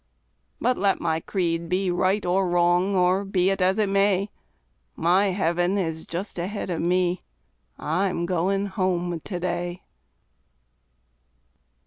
But let my creed be right or wrong, or be it as it may, My heaven is just ahead of me I'm going home to day.